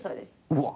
うわっ。